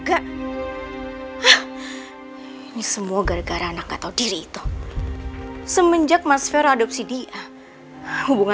akan ada kejutan lagi dari aku